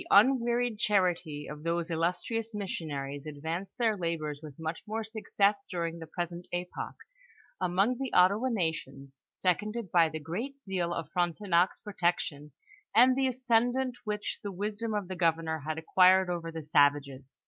8T The nnVearied charity of those illustrious missionaries ad vanced their labors with much more success during the pres ent epoch, among the Ottawa nations, seconded by the great zeal of Frontenac's protection, and the ascendant which the wisdom of the governor had acquired over the savages.